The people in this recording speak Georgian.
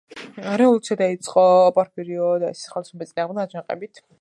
რევოლუცია დაიწყო პორფირიო დიასის ხელისუფლების წინააღმდეგ აჯანყებით.